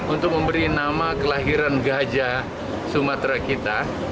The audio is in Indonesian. untuk memberi nama kelahiran gajah sumatera kita